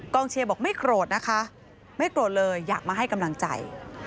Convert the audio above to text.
เชียร์บอกไม่โกรธนะคะไม่โกรธเลยอยากมาให้กำลังใจ